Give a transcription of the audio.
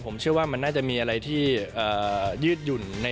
ผมเชื่อว่ามันน่าจะมีอะไรที่ยืดหยุ่น